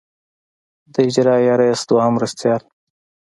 د اجرائیه رییس دوهم مرستیال.